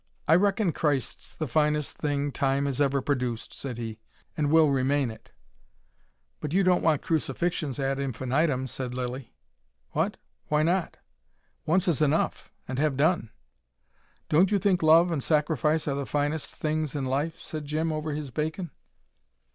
"I reckon Christ's the finest thing time has ever produced," said he; "and will remain it." "But you don't want crucifixions ad infinitum," said Lilly. "What? Why not?" "Once is enough and have done." "Don't you think love and sacrifice are the finest things in life?" said Jim, over his bacon.